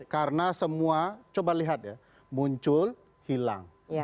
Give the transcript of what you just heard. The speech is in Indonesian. karena semua coba lihat ya muncul hilang